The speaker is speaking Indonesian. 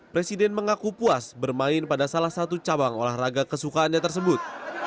presiden mengaku puas bermain pada salah satu cabang olahraga kesukaannya tersebut